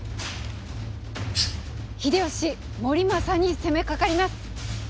秀吉盛政に攻めかかります！